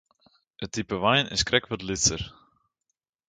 It type wein is krekt wat lytser.